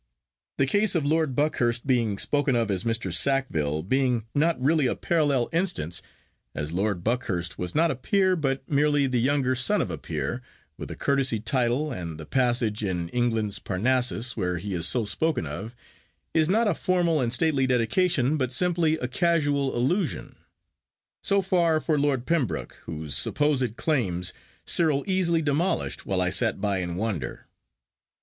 the case of Lord Buckhurst being spoken of as Mr. Sackville being not really a parallel instance, as Lord Buckhurst was not a peer, but merely the younger son of a peer, with a courtesy title, and the passage in England's Parnassus, where he is so spoken of, is not a formal and stately dedication, but simply a casual allusion. So far for Lord Pembroke, whose supposed claims Cyril easily demolished while I sat by in wonder.